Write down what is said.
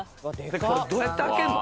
どうやって開けんの？